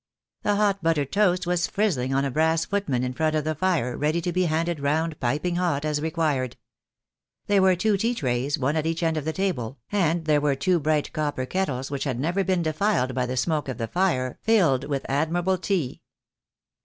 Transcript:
The hot buttered toast was frizzling on a brass footman in front of the fire ready to be handed round piping hot, as required. There were two tea trays, one at each end of the table, and there were two bright 18* 276 THE DAY WILL COME. copper kettles, which had never been defiled by the smoke of the fire, filled with admirable tea.